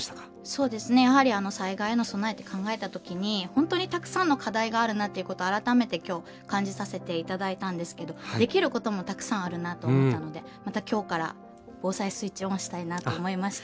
そうですねやはり災害の備えって考えた時に本当にたくさんの課題があるなということ改めて今日感じさせていただいたんですけどできることもたくさんあるなと思ったのでまた今日から防災スイッチオンしたいなと思いました。